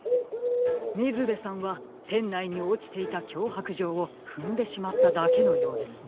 みずべさんはてんないにおちていたきょうはくじょうをふんでしまっただけのようですね。